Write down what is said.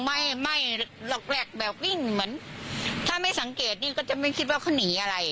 ไม่ไม่หรอกแรกแบบวิ่งเหมือนถ้าไม่สังเกตนี่ก็จะไม่คิดว่าเขาหนีอะไร